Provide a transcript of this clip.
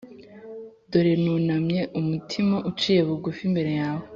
Dore nunamye umumtima uciye bugufi imbere yawe